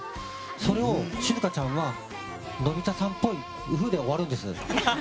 それをしずかちゃんは「のび太さんぽい、うふ」で終わるんです。